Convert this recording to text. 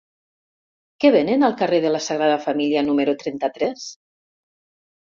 Què venen al carrer de la Sagrada Família número trenta-tres?